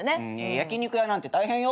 焼き肉屋なんて大変よ。